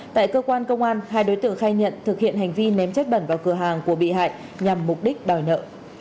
tại cơ quan công an hai đối tượng khai nhận thực hiện hành vi ném chất bẩn vào cửa hàng của bị hại nhằm mục đích đòi nợ